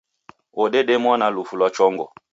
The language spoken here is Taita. Wodedemwa na lufu lwa chongo.